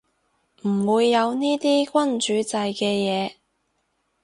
唔會有呢啲君主制嘅嘢